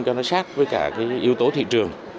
cho nó sát với cả yếu tố thị trường